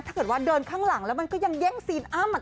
ถ้าเกิดว่าเดินข้างหลังแล้วมันก็ยังเย่งซีนอ้ำ